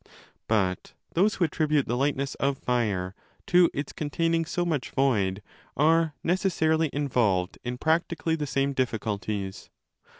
But those who attribute the lightness of fire to its con taining so much void are necessarily involved in practically the same difficulties.